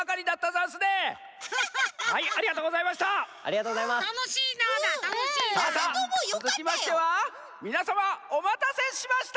さあさあつづきましてはみなさまおまたせしました！